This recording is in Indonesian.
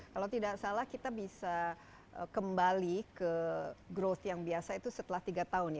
kalau tidak salah kita bisa kembali ke growth yang biasa itu setelah tiga tahun ya